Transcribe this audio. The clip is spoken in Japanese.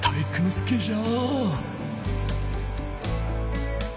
介じゃ。